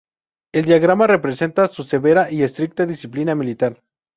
El diagrama representa su severa y estricta disciplina militar.